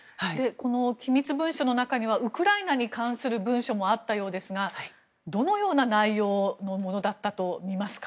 機密文書の中にはウクライナに関する文書もあったようですがどのような内容のものだったとみますか？